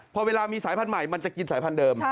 พอเวลามีสายพันธุ์ใหม่มันจะกินสายพันธุเดิม